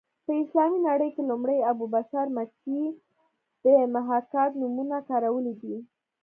په اسلامي نړۍ کې لومړی ابو بشر متي د محاکات نومونه کارولې ده